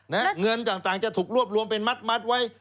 เงินต่างจะถูกรวบรวมเป็นมัดไว้